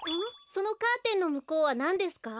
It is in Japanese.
そのカーテンのむこうはなんですか？